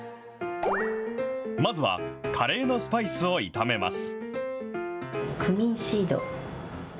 まずは、カレーのスパイスを炒めます。